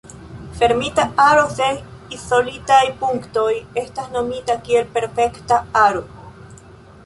Fermita aro sen izolitaj punktoj estas nomita kiel perfekta aro.